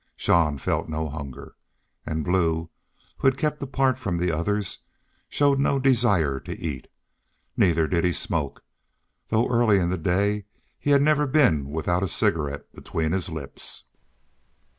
Jean felt no hunger. And Blue, who had kept apart from the others, showed no desire to eat. Neither did he smoke, though early in the day he had never been without a cigarette between his lips.